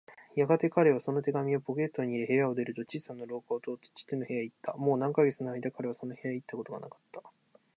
やがて彼はその手紙をポケットに入れ、部屋を出ると、小さな廊下を通って父の部屋へいった。もう何カ月かのあいだ、彼はその部屋へいったことがなかった。